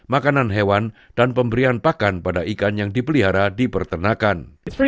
makanan hewan dan pemberian pakan pada ikan yang dipelihara di perternakan